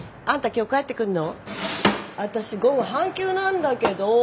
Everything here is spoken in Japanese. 私午後半休なんだけど。